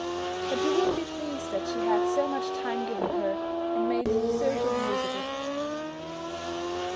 But you will be pleased that she had so much time given her, and made so good use of it.